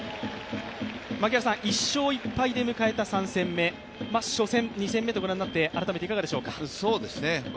１勝１敗で迎えた３戦目、初戦、２戦目と御覧になって改めていかがでしょうか？